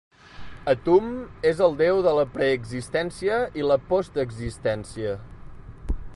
Atum és el Déu de la preexistència i la postexistència.